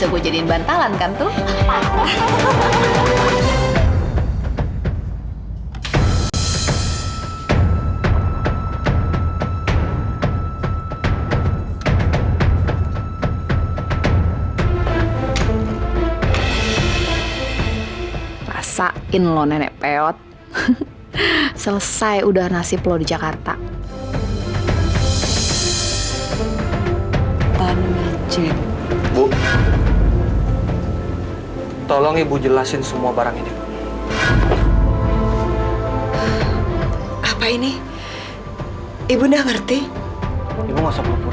aku izinin kamu kesini untuk cengup hubung